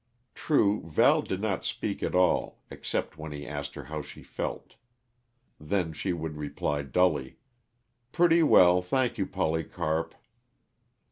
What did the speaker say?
True, Val did not speak at all, except when he asked her how she felt. Then she would reply dully, "Pretty well, thank you, Polycarp."